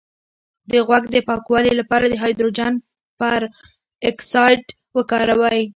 د غوږ د پاکوالي لپاره د هایدروجن پر اکسایډ وکاروئ